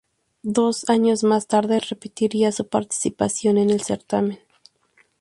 Dos años más tarde repetiría su participación en el certamen.